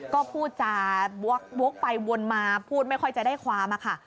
ก็พูดจาวกไปวนมาพูดไม่ค่อยจะได้ความอะค่ะ